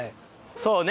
そうね。